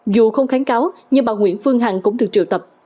dù không kháng cáo nhưng bà nguyễn phương hằng cũng được triệu tập